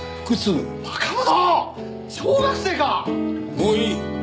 もういい。